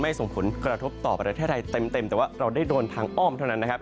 ส่งผลกระทบต่อประเทศไทยเต็มแต่ว่าเราได้โดนทางอ้อมเท่านั้นนะครับ